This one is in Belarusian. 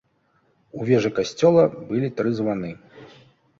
У вежы касцёла былі тры званы.